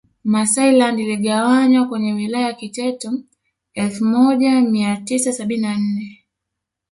Maasai land iligawanywa kwenye Wilaya ya Kiteto elfu moja mia tisa sabini na nne